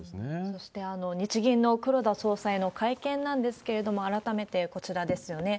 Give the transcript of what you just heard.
そして、日銀の黒田総裁の会見なんですけれども、改めてこちらですよね。